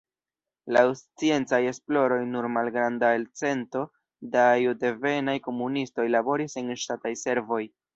Laŭ sciencaj esploroj nur malgranda elcento da juddevenaj komunistoj laboris en ŝtataj servoj.